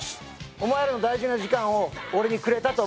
お前らの大事な時間を俺にくれたと思ってる。